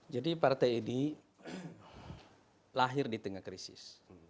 jadi partai ini lahir di tengah krisis